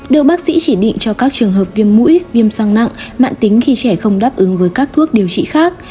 được bác sĩ chỉ định cho các trường hợp viêm mũi viêm song nặng mạn tính khi trẻ không đáp ứng với các thuốc điều trị khác